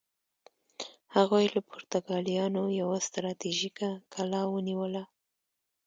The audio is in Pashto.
هغوی له پرتګالیانو یوه ستراتیژیکه کلا ونیوله.